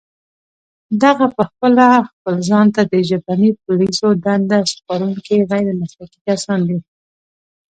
دغه پخپله خپل ځان ته د ژبني پوليسو دنده سپارونکي غير مسلکي کسان دي